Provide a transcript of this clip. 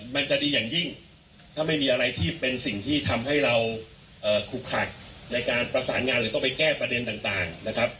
มันจะดีอย่างยิ่งถ้าไม่มีอะไรที่เป็นสิ่งที่ทำให้เราคุกขัดในการประสานงานหรือต้องไปแก้ประเด็นต่างนะครับ